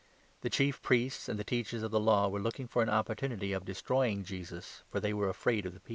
The Chief Priests 2 jesus. ancj the Teachers of the Law were looking for an opportunity of destroying Jesus, for they were afraid of the people.